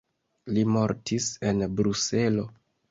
Li mortis en Bruselo.